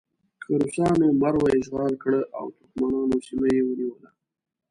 که روسانو مرو اشغال کړه او ترکمنانو سیمه یې ونیوله.